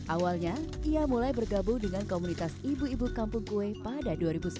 awalnya ia mulai bergabung dengan komunitas ibu ibu kampung kue pada dua ribu sepuluh